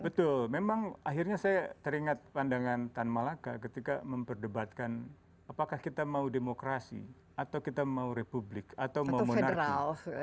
betul memang akhirnya saya teringat pandangan tan malaka ketika memperdebatkan apakah kita mau demokrasi atau kita mau republik atau mau monarki